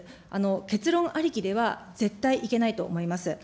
結論ありきでは絶対いけないと思います。